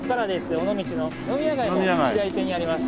尾道の飲み屋街も左手にあります。